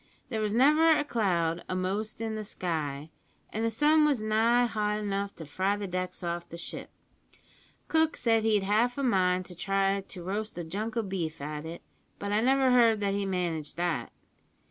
There was never a cloud a'most in the sky, and the sun was nigh hot enough to fry the decks off the ship. Cook said he'd half a mind to try to roast a junk o' beef at it, but I never heard that he managed that.